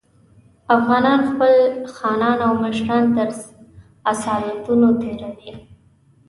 افغانان خپل خانان او مشران تر اصالتونو تېروي.